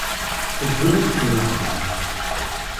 Teddun-iyi di nneqma.